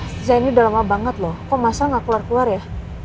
saya ini udah lama banget loh kok masa gak keluar keluar ya